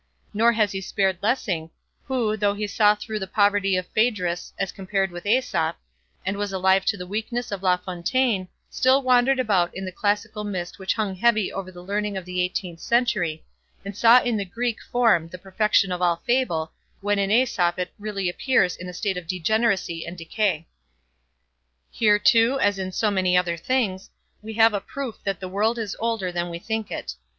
Nor has he spared Lessing, who, though he saw through the poverty of Phaedrus as compared with Aesop, and was alive to the weakness of La Fontaine, still wandered about in the classical mist which hung heavy over the learning of the eighteenth century, and saw in the Greek form the perfection of all fable, when in Aesop it really appears in a state of degeneracy and decay. Here too, as in so many other things, we have a proof that the world is older than we think it.